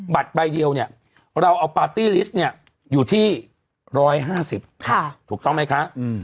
บัตรใบเดียวเนี่ยเราเอาปาร์ตี้ลิสต์เนี่ยอยู่ที่๑๕๐ถูกต้องไหมคะ